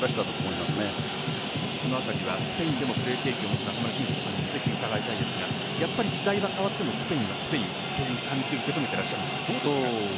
そのあたりはスペインでもプレー経験を持つ中村俊輔さんにぜひ伺いたいんですが時代が変わってもスペイン時代はスペインというふうに見てらっしゃいますか？